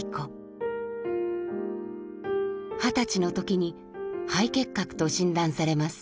二十歳の時に肺結核と診断されます。